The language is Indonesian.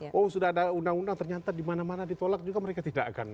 kalau sudah ada undang undang ternyata dimana mana ditolak juga mereka tidak akan